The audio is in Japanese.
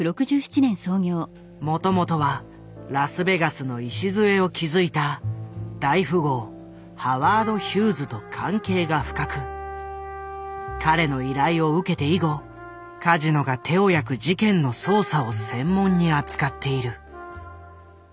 もともとはラスベガスの礎を築いた大富豪ハワード・ヒューズと関係が深く彼の依頼を受けて以後カジノが手を焼く事件の捜査を専門に扱っている。